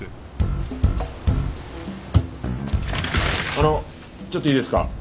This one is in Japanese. あのちょっといいですか？